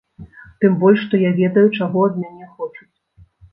Тым больш што я ведаю, чаго ад мяне хочуць.